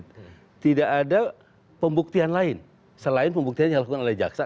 tidak ada pembuktian lain selain pembuktian yang dilakukan oleh jaksa